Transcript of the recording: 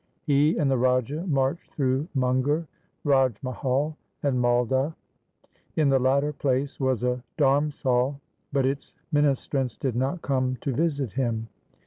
He and the Raja marched through Munger, Rajmahal, and Maldah. In the latter place was a dharmsal, but its ministrants did not come to visit him.